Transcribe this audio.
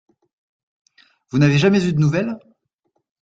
Vous n’avez jamais eu de nouvelles?